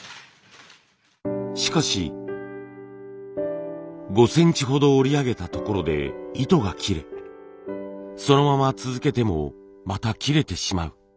しかし５センチほど織り上げたところで糸が切れそのまま続けてもまた切れてしまう。